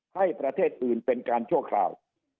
ให้ประเทศอื่นเป็นการชั่วคราว